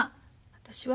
私は。